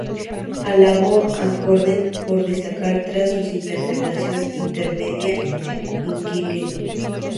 Alabó a Corden por destacar tras su interpretación "intermedia" en "El inquilino".